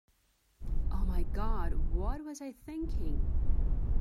Oh my God, what was I thinking?